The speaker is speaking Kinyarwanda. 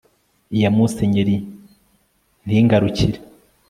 iya musenyeri ntingarukire